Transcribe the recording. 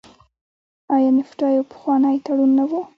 آیا نفټا یو پخوانی تړون نه و؟